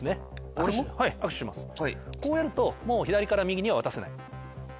こうやるともう左から右には渡せない。